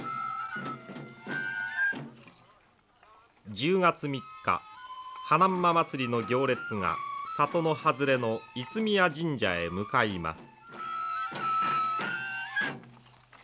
１０月３日花馬祭りの行列が里の外れの五宮神社へ向かいます。